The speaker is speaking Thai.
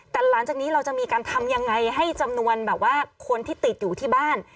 แต่หลังจากนี้เราจะมีการทำยังไงให้จำนวนแบบว่าคนที่ติดอยู่ที่บ้าน